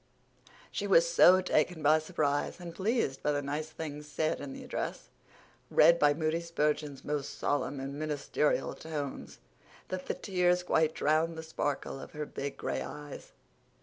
She was so taken by surprise and pleased by the nice things said in the address, read in Moody Spurgeon's most solemn and ministerial tones, that the tears quite drowned the sparkle of her big gray eyes.